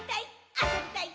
あそびたい！